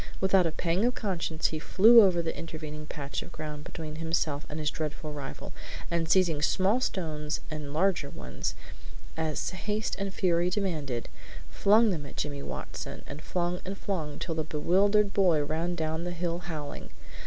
Without a pang of conscience he flew over the intervening patch of ground between himself and his dreaded rival, and seizing small stones and larger ones, as haste and fury demanded, flung them at Jimmy Watson, and flung and flung, till the bewildered boy ran down the hill howling.